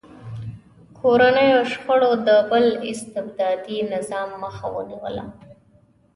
کورنیو شخړو د بل استبدادي نظام مخه ونیوله.